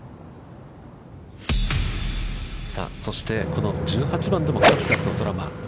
そしてこの１８番でも、数々のドラマ。